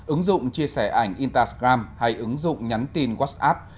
ứng dụng chia sẻ ảnh instagram hay ứng dụng nhắn tin whatsapp